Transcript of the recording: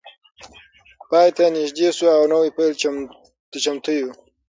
پای ته نږدې شو او نوی پیل ته چمتو یو.